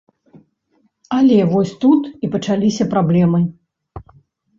Але вось тут і пачаліся праблемы.